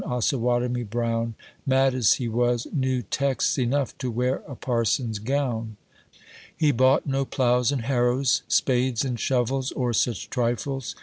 Osawatomie Brown, Mad as he was, knew texts enough to wear a parson's gown. He bought no ploughs and harrows, spades and shovels, or such trifles.